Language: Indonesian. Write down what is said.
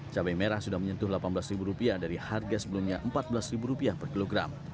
cabai merah sudah menyentuh delapan belas ribu rupiah dari harga sebelumnya empat belas ribu rupiah per kilogram